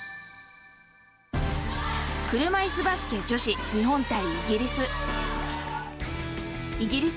車いすバスケ女子、日本対イギリス。